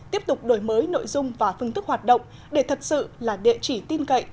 tiếp tục đổi mới nội dung và phương thức hoạt động để thật sự là địa chỉ tin cậy